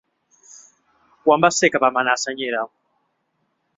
Quan va ser que vam anar a Senyera?